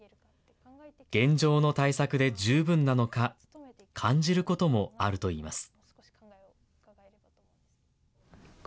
現状の対策で十分なのか、感じることもあるといいます。